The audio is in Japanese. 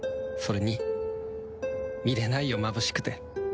それに見れないよまぶしくて